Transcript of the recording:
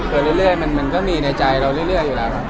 เรื่อยมันก็มีในใจเราเรื่อยอยู่แล้วครับ